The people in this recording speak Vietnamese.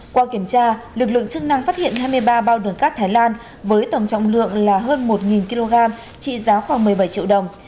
qua kiểm tra lực lượng chức năng phát hiện hai mươi ba bao đường cát thái lan với tổng trọng lượng là hơn một kg trị giá khoảng một mươi bảy triệu đồng